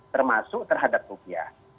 termasuk terhadap rupiah